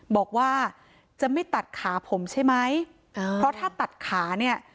บอกว่าจะไม่ตัดขาผมใช่ไหมเพราะถ้าตัดขาเนี่ย